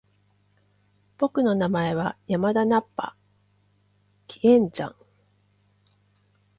僕の名前は山田ナッパ！気円斬！